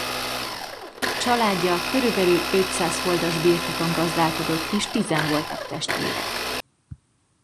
Családja körülbelül ötszáz holdas birtokon gazdálkodott és tízen voltak testvérek.